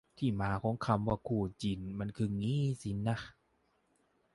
ที่มาของคำว่า "คู่จิ้น" มันคืองี้สินะ